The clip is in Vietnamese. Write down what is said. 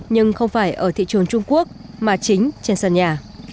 nhưng không phải ở thị trường trung quốc mà chính trên sân nhà